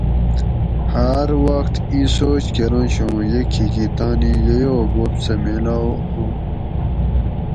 ھاۤر وخت اِیں سوچ کرنش اوں یہ کھیکی تانی ییو بوب سہ میلاؤ ہوم